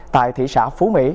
tại thị xã phú mỹ